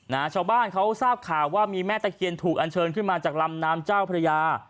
ชาวบ้านเขาทราบข่าวว่ามีแม่ตะเคียนถูกอันเชิญขึ้นมาจากลำน้ำเจ้าพระยา